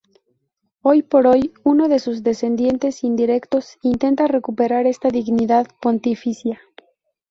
Hoy por hoy uno de sus descendientes indirectos intenta recuperar esta dignidad pontificia.